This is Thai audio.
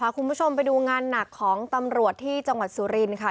คุณผู้ชมไปดูงานหนักของตำรวจที่จังหวัดสุรินค่ะ